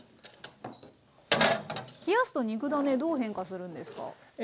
冷やすと肉だねどう変化するんですか？